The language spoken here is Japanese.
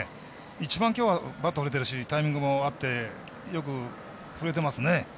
一番、きょうはバット振れてるしタイミングも合ってよく振れてますね。